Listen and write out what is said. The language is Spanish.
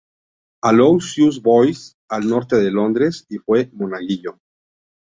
Aloysius Boys", al norte de Londres, y fue monaguillo.